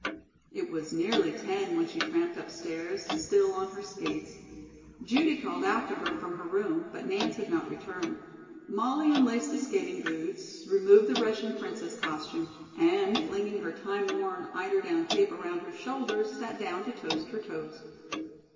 It was nearly ten when she tramped upstairs, still on her skates. Judy called out to her from her room, but Nance had not returned. Molly unlaced the skating boots, removed the Russian Princess costume, and flinging her time worn eiderdown cape around her shoulders, sat down to toast her toes.